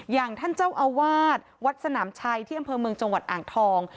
อย่างท่านเจ้าอาวาสวัดสนามชัยที่อำเภอเมืองจังหวัดอ่างทอง